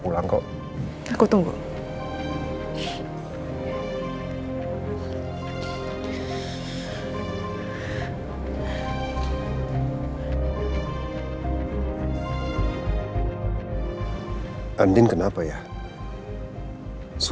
buat adin buat anak kamu